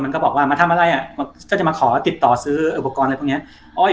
มันก็บอกว่ามาทำอะไรก็จะมาขอติดต่อซื้ออุปกรณ์ไอ้พวกนี้